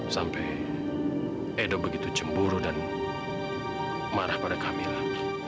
sampai edo begitu cemburu dan marah pada kamila